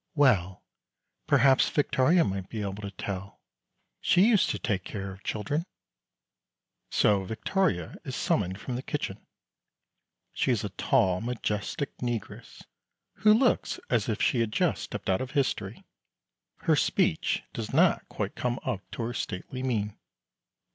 "Well, perhaps Victoria might be able to tell; she used to take care of children." So Victoria is summoned from the kitchen. She is a tall majestic negress, who looks as if she had just stepped out of history. Her speech does not quite come up to her stately mien.